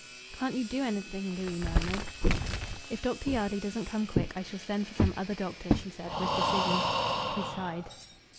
"Can't you do anything?" Louis murmured. "If Dr. Yardley doesn't come quick, I shall send for some other doctor," she said, with decision. He sighed.